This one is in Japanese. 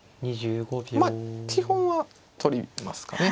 まあ基本は取りますかね。